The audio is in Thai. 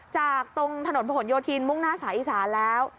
จากตรงถนนผนโยธินมุ่งหน้าสายอีสานแล้ว